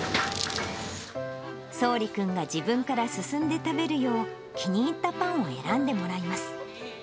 そうり君が自分から進んで食べるよう、気に入ったパンを選んでもらいます。